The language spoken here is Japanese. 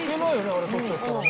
あれ取っちゃったらね。